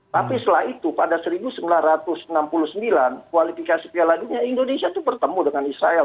tapi setelah itu pada seribu sembilan ratus enam puluh sembilan kualifikasi piala dunia indonesia itu bertemu dengan israel